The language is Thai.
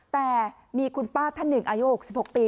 แต่มีคุณป้าท่านหนึ่งอายุ๖๖ปี